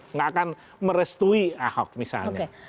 nggak akan merestui ahok misalnya